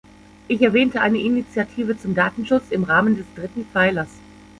Ich erwähnte eine Initiative zum Datenschutz im Rahmen des dritten Pfeilers.